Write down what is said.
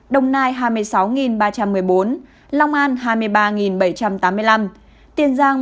đồng nai hai mươi sáu ba trăm một mươi bốn long an hai mươi ba bảy trăm tám mươi năm tiền giang một mươi hai trăm chín mươi